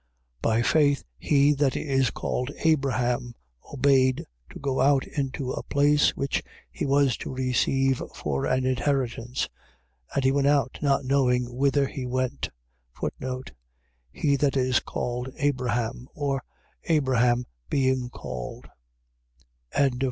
By faith he that is called Abraham obeyed to go out into a place which he was to receive for an inheritance. And he went out, not knowing whither he went. He that is called Abraham. . .or, Abraham being called. 11:9.